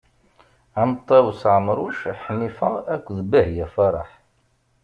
Am Ṭawes Ɛemruc, Ḥnifa akk d Bahya Faraḥ.